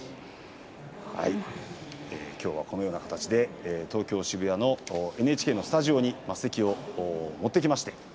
きょうはこのような形で東京・渋谷のＮＨＫのスタジオに升席を持ってきました。